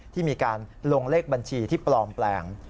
ที่มีการลงเลขบัญชีที่ปลอมแปลง